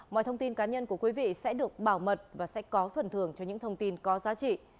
mọi thông tin cá nhân của quý vị sẽ được bảo mật và sẽ có phần thường cho những thông tin có giá trị